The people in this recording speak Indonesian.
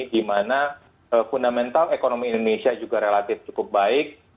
dimana fundamental ekonomi indonesia juga relatif cukup baik